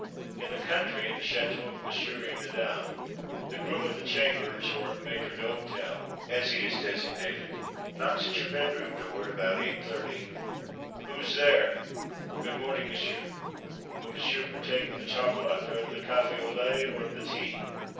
In the country, at the château of Monsieur et Madame, the groom of the chambers, or maître d'hôtel, as he is designated, knocks at your bedroom door at about 8.30. "Who's there?" "Good morning, M'sieu. Will M'sieu partake of the chocolat, or of the café au lait, or of the tea?"